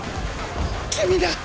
君だ！